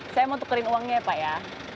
saya mau tukarin uangnya pak ya